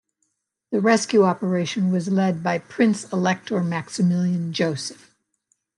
The rescue operation was led by Prince-Elector Maximilian Joseph.